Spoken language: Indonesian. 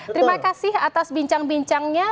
terima kasih atas bincang bincangnya